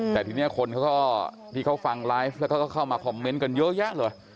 แต่ทีนี้คนเขาก็ที่เขาฟังไลฟ์แล้วก็เข้ามาคอมเมนต์กันเยอะแยะเลย